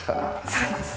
そうです。